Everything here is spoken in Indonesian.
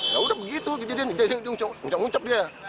yaudah begitu jadi dia ngucap ngucap dia